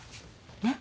ねっ？